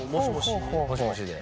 もしもしで？